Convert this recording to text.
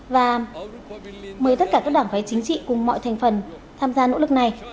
và mời tất cả các đảng phái chính trị và mọi thành phần trong xã hội cùng tham gia nỗ lực này